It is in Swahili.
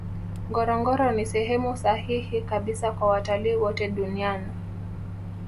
ngorongoro ni sehemu sahihi kabisa kwa watalii wote dunian